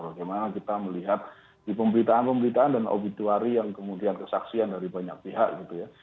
bagaimana kita melihat di pemberitaan pemberitaan dan obituari yang kemudian kesaksian dari banyak pihak gitu ya